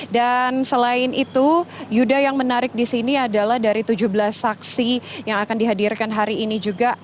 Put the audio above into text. selain itu yuda yang menarik di sini adalah dari tujuh belas saksi yang akan dihadirkan hari ini juga